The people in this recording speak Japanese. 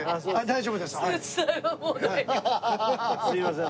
すいません。